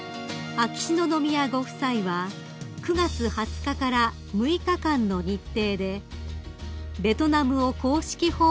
［秋篠宮ご夫妻は９月２０日から６日間の日程でベトナムを公式訪問されました］